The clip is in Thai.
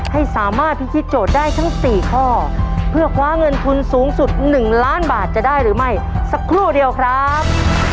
ให้สามารถพิธีโจทย์ได้ทั้งสี่ข้อเพื่อคว้าเงินทุนสูงสุด๑ล้านบาทจะได้หรือไม่สักครู่เดียวครับ